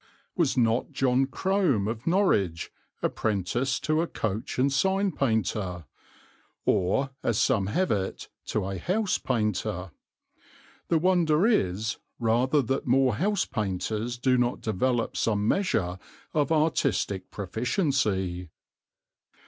Was not John Crome, of Norwich, apprenticed to a coach and sign painter, or, as some have it, to a house painter? The wonder is rather that more house painters do not develop some measure of artistic proficiency.